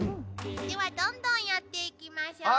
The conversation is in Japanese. ではどんどんやっていきましょう。